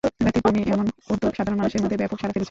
ব্যতিক্রমী এমন উদ্যোগ সাধারণ মানুষের মধ্যে ব্যাপক সাড়া ফেলেছে।